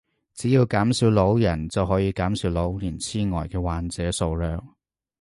只要減少老人就可以減少老年癡呆嘅患者數量